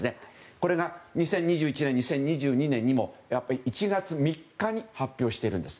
これが２０２１年２０２２年にも１月３日に発表しているんです。